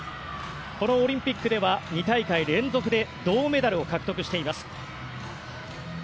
このオリンピックでは２大会連続で銅メダルを獲得しています。